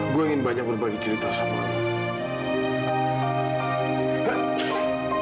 gue ingin banyak berbagi cerita sama